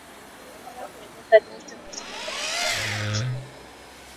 katika kueleza jinsi Mwislamu apasavyo kuishi karibu na mwenzake